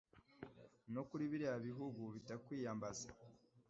no kuri biriya bihugu bitakwiyambaza